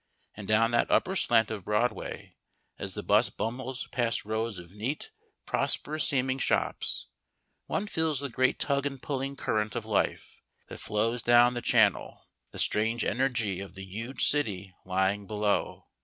And down that upper slant of Broadway, as the bus bumbles past rows of neat prosperous seeming shops, one feels the great tug and pulling current of life that flows down the channel, the strange energy of the huge city lying below.